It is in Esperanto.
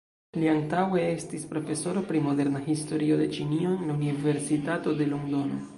Li antaŭe estis profesoro pri moderna historio de Ĉinio en la Universitato de Londono.